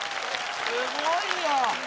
・すごいよ！